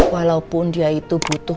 walaupun dia itu butuh